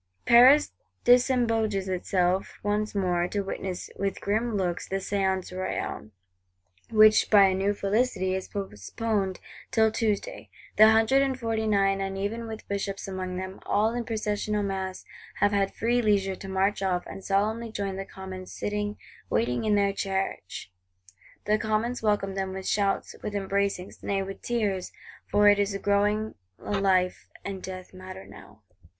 Paris disembogues itself once more, to witness, "with grim looks," the Séance Royale: which, by a new felicity, is postponed till Tuesday. The Hundred and Forty nine, and even with Bishops among them, all in processional mass, have had free leisure to march off, and solemnly join the Commons sitting waiting in their Church. The Commons welcomed them with shouts, with embracings, nay with tears; for it is growing a life and death matter now.